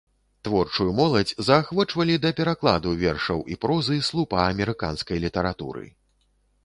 Творчую моладзь заахвочвалі да перакладу вершаў і прозы слупа амерыканскай літаратуры.